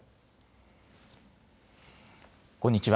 こんにちは。